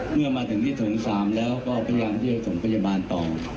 เมื่อมาถึงที่โถง๓แล้วก็พยายามที่จะส่งพยาบาลต่อ